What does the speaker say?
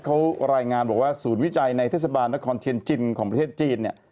เขารายงานบอกว่าศูนย์วิจัยในเทศบาลนครเทียนจินของประเทศจีนเนี่ย